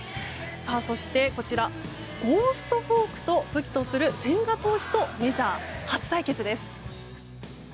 そして、ゴーストフォークの千賀投手とメジャー初対決です。